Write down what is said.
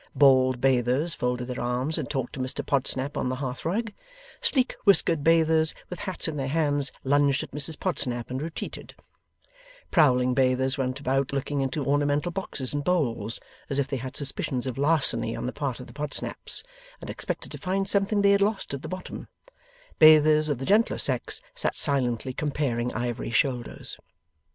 Bald bathers folded their arms and talked to Mr Podsnap on the hearthrug; sleek whiskered bathers, with hats in their hands, lunged at Mrs Podsnap and retreated; prowling bathers, went about looking into ornamental boxes and bowls as if they had suspicions of larceny on the part of the Podsnaps, and expected to find something they had lost at the bottom; bathers of the gentler sex sat silently comparing ivory shoulders.